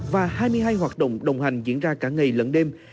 và hai mươi hai hoạt động đồng hành diễn ra cả ngày lẫn đêm